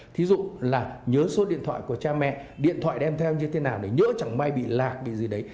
thí dụ là nhớ số điện thoại của cha mẹ điện thoại đem theo như thế nào để nhớ chẳng may bị lạc bị gì đấy